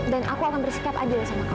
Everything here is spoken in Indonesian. dan aku akan bersikap adil sama kamu